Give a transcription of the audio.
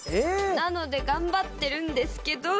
なので頑張ってるんですけど。